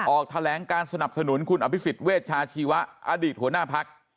ออกแถลงการสนับสนุนคุณอภิษฎเวชาชีวะอดีตหัวหน้าพัก